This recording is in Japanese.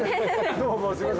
どうも。